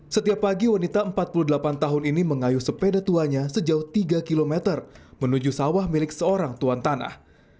setiap pagi wanita empat puluh delapan tahun ini mengayuh sepeda tuanya sejauh tiga km menuju sawah milik seorang tuan tanah